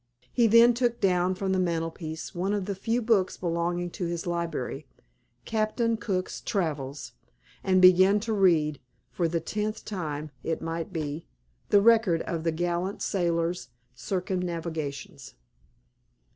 He then took down from the mantel piece one of the few books belonging to his library, "Captain Cook's Travels," and began to read, for the tenth time it might be, the record of the gallant sailor's circumnavigations.